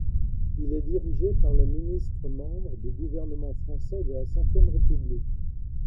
Il est dirigé par le ministre, membre du gouvernement français de la Cinquième République.